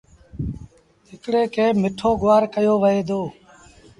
هڪڙي کي مٺو گُوآر ڪهيو وهي دو۔